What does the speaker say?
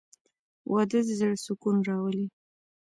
• واده د زړه سکون راولي.